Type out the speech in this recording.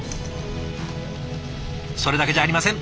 それだけじゃありません。